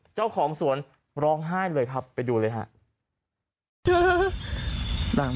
เจ้าของสวนร้องไห้เลยครับไปดูเลยครับ